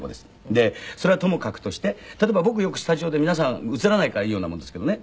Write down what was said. でそれはともかくとして例えば僕よくスタジオで皆さん映らないからいいようなもんですけどね